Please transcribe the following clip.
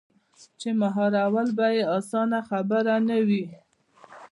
چـې مـهار ول بـه يـې اسـانه خبـره نـه وي.